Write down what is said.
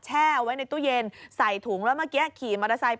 แช่เอาไว้ในตู้เย็นใส่ถุงแล้วเมื่อกี้ขี่มอเตอร์ไซค์